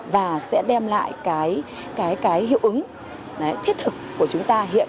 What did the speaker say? và sẽ giảm thiểu được rất nhiều